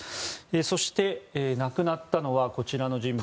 そして、亡くなったのはこちらの人物。